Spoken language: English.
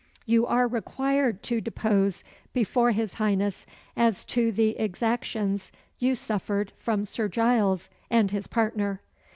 "You are required to depose before his Highness as to the exactions you suffered from Sir Giles and his partner."